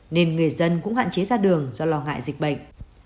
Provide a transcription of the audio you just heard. nên người dân cũng hạn chế ra đường do lo ngại dịch bệnh